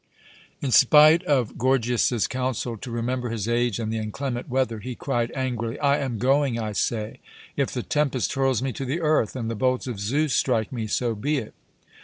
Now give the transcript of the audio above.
In spite of Gorgias's counsel to remember his age and the inclement weather, he cried angrily: "I am going, I say! If the tempest hurls me to the earth, and the bolts of Zeus strike me, so be it.